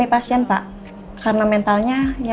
jadi bapa aku kemana saja